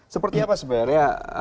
seperti apa sebenarnya